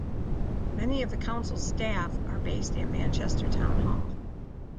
Many of the council's staff are based at Manchester Town Hall.